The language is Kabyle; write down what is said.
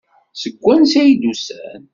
Seg wansi ay d-usan?